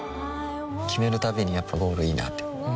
決めるたびにやっぱゴールいいなってふん